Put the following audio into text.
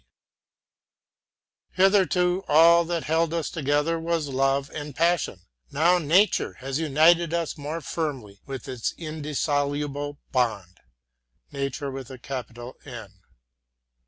Hitherto all that held us together was love and passion. Now Nature has united us more firmly with an indissoluble bond.